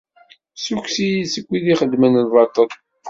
Ssukkes-iyi-d seg wid ixeddmen lbaṭel.